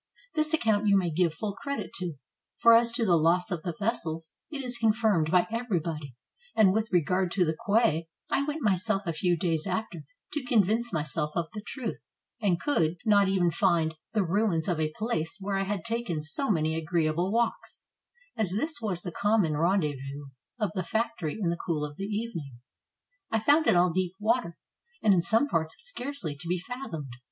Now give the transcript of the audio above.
This accoimt you may give full credit to, for as to the loss of the vessels, it is confirmed by every body; and with regard to the quay, I went myself a few days after to convince myself of the truth, and could 622 THE EARTHQUAKE AT LISBON not find even the ruins of a place where I had taken so many agreeable walks, as this was the common ren dezvous of the factory in the cool of the evening. I found it all deep water, and in some parts scarcely to be fathomed.